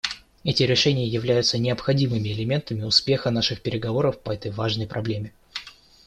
Эти решения являются необходимыми элементами успеха наших переговоров по этой важной проблеме.